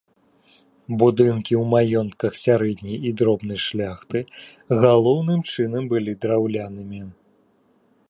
Будынкі ў маёнтках сярэдняй і дробнай шляхты галоўным чынам былі драўлянымі.